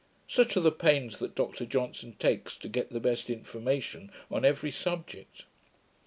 Such are the pains that Dr Johnson takes to get the best information on every subject.